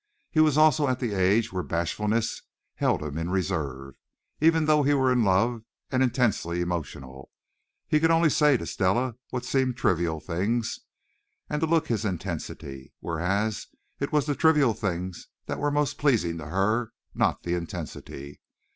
He was also at the age when bashfulness held him in reserve, even though he were in love and intensely emotional. He could only say to Stella what seemed trivial things, and look his intensity, whereas it was the trivial things that were most pleasing to her, not the intensity.